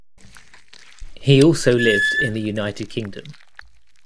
He also lived in the United Kingdom.